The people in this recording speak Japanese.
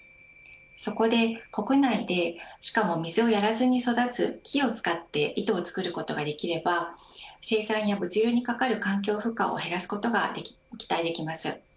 そこで国内で、しかも水をやらずに育つ木を使って糸を作ることができれば生産や物流にかかる環境負荷を減らすことが期待できます。